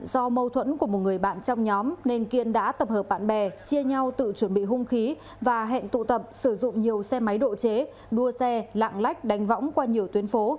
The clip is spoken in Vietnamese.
do mâu thuẫn của một người bạn trong nhóm nên kiên đã tập hợp bạn bè chia nhau tự chuẩn bị hung khí và hẹn tụ tập sử dụng nhiều xe máy độ chế đua xe lạng lách đánh võng qua nhiều tuyến phố